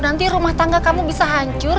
nanti rumah tangga kamu bisa hancur